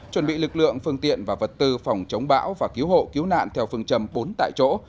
chuẩn bị lực lượng phương tiện và vật tư phòng chống bão và cứu hộ cứu nạn theo phương châm bốn tại chỗ